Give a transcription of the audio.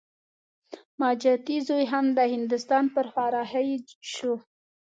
ماجتي زوی هم د هندوستان پر خوا رهي شو.